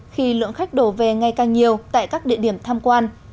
khi lượng khách đổ về ngày càng nhiều tại các địa điểm tham quan